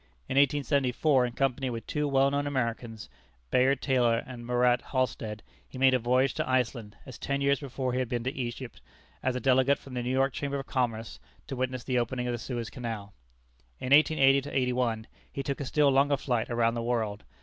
In 1874, in company with two well known Americans, Bayard Taylor and Murat Halstead, he made a voyage to Iceland, as ten years before he had been to Egypt, as a delegate from the New York Chamber of Commerce, to witness the opening of the Suez Canal. In 1880 81 he took a still longer flight around the world.